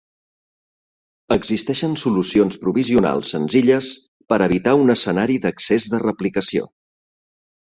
Existeixen solucions provisionals senzilles per evitar un escenari d'excés de replicació.